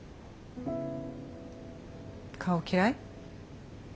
顔嫌い？